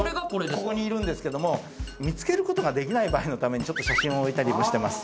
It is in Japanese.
ここにいるんですけども見つけることができない場合のために写真を置いたりもしてます